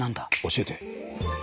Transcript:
教えて。